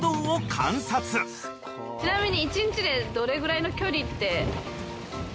ちなみに。